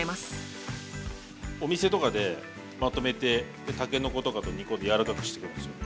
お店とかでまとめてたけのことかと煮込んで柔らかくしてくるんですよ。